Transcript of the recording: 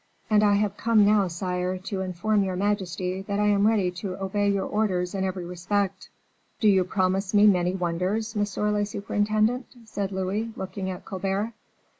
"And I have come now, sire, to inform your majesty that I am ready to obey your orders in every respect." "Do you promise me many wonders, monsieur le surintendant?" said Louis, looking at Colbert.